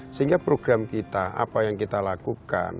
sehingga program kita apa yang kita lakukan